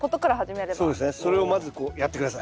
それをまずこうやって下さい。